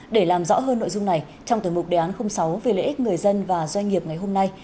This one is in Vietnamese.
để làm rõ hơn nội dung này trong tuần mục đề án sáu về lợi ích người dân và doanh nghiệp ngày hôm nay